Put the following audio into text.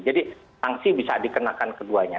jadi sanksi bisa dikenakan keduanya